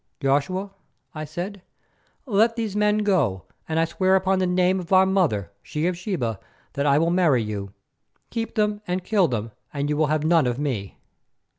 "Joshua," I said, "let these men go and I swear upon the name of our mother, she of Sheba, that I will marry you. Keep them and kill them, and you will have none of me."